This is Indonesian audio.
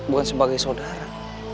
bukan sebagai saudara